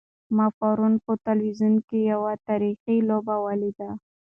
ما پرون په تلویزیون کې یوه تاریخي لوبه ولیده.